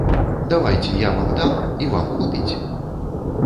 Давайце, я вам дам, і вам хопіць?